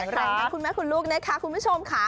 แรงทั้งคุณแม่คุณลูกนะคะคุณผู้ชมค่ะ